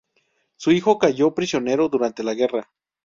Su hijo cayó prisionero durante la guerra.